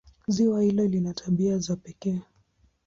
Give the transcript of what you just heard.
Ziwa hilo lina tabia za pekee.